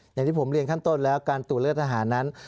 อย่างที่ผมเรียนขั้นต้นแล้วการตรวจเลือดทหารนั้น